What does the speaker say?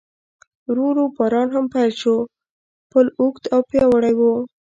ورو ورو باران هم پیل شو، پل اوږد او پیاوړی و.